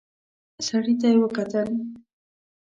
سړي ته يې وکتل.